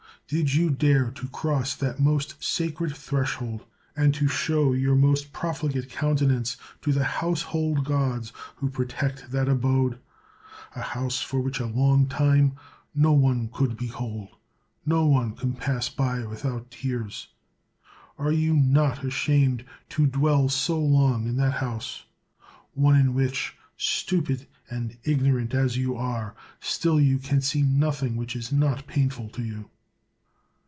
Did you dare to cross that most sacred threshold? and to show your most profligate countenance to the household gods who protect that abode? A house which for a long time no one could behold, no one could pass by without tears ! Are you not ashamed to dwell so long in that house ? one in which, stupid and ignorant as you are, still you can see nothing which is not painful to you.